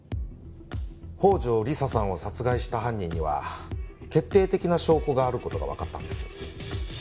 宝城理沙さんを殺害した犯人には決定的な証拠がある事がわかったんです。